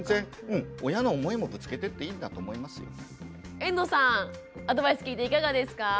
遠藤さんアドバイス聞いていかがですか？